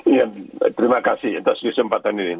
iya terima kasih atas kesempatan ini